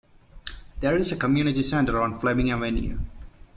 There is a Community Centre on Fleming Avenue.